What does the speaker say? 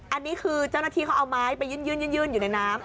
อันนี้คือเจ้าหน้าที่เขาเอาไม้ไปยื่นอยู่ในน้ำ